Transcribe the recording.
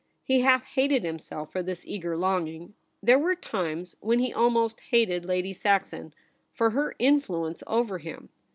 He half hated himself for this eager longing. There were times when he almost hated Lady Saxon for her influence over him.